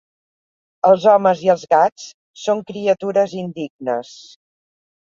Els homes i els gats són criatures indignes.